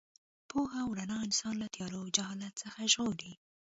پوهه او رڼا انسان له تیارو او جهالت څخه ژغوري.